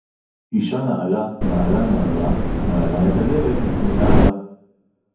אישה נעלה, נעלה נעלה, נעלה את הדלת בפני בעלה